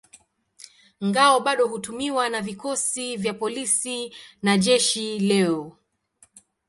Ngao bado hutumiwa na vikosi vya polisi na jeshi leo.